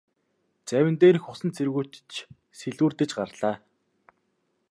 Завин дээрх усан цэргүүд ч сэлүүрдэж гарлаа.